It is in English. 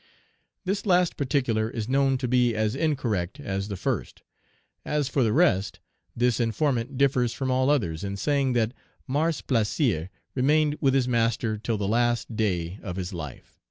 This last particular is known to be as incorrect as the first. As for the rest, this informant differs from all others in saying that Mars Plaisir remained with his master till the last day of his life.